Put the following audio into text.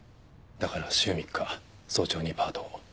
だから週３日早朝にパートを。